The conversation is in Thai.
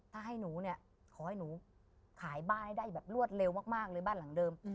ถ้าให้หนูเนี่ยขอให้หนูขายบ้านให้ได้แบบรวดเร็วมากเลยบ้านหลังเดิม